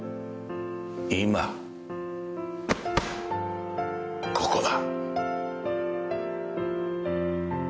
今ここだ。